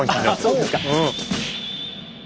あっそうですか。